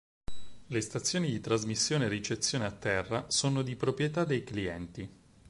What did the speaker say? Le stazioni di trasmissione e ricezione a terra sono di proprietà dei clienti.